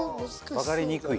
分かりにくい？